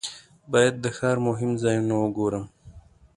باید د ښار مهم ځایونه وګورم.